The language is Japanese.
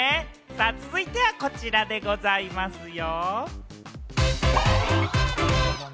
続いては、こちらでございますよ。